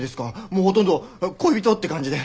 もうほとんど恋人って感じで！